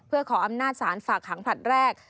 เพื่อขออำนาจศาลฝากหางผลัดแรก